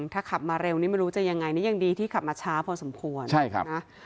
ถ้าขับมาเร็วนี่ไม่รู้จะยังไงนี่ยังดีที่ขับมาช้าพอสมควรใช่ครับนะ